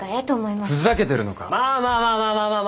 まあまあまあまあまあまあまあ。